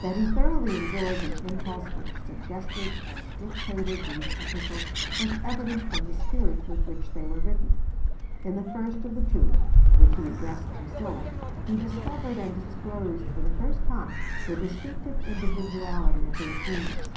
That he thoroughly enjoyed the impulse which suggested and dictated these Epistles was evident from the spirit with which they were written. In the first of the two, which he addressed to Sillar, he discovered and disclosed for the first time the distinctive individuality of his genius.